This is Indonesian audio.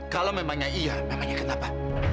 kalau memangnya iya namanya kenapa